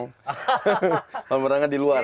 kolam berenangnya di luar